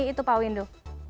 itu pak windu